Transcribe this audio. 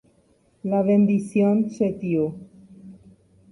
La bendición che tio.